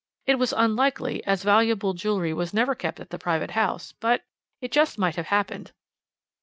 It was unlikely, as valuable jewellery was never kept at the private house, but it just might have happened.